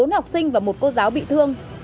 bốn học sinh và một cô giáo bị thương